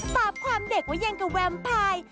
ต้าพอความเด็กวะเย็นกว่าแวมพาย